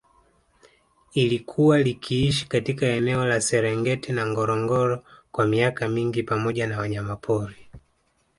Ilikuwa likiishi katika eneo la Serengeti na Ngorongoro kwa miaka mingi pamoja na wanyamapori